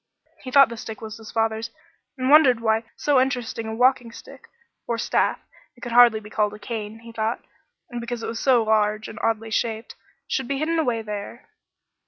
He thought the stick was his father's and wondered why so interesting a walking stick or staff; it could hardly be called a cane, he thought, because it was so large and oddly shaped should be hidden away there.